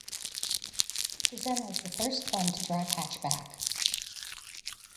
The Zen was the first fun to drive hatchback.